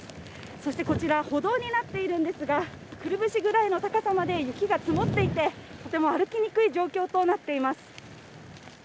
そして、こちら歩道になっているんですがくるぶしぐらいの高さまで雪が積もっていてとても歩きにくい状況となっています。